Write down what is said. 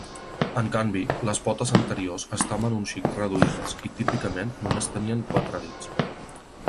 En canvi, les potes anteriors estaven un xic reduïdes, i típicament només tenien quatre dits.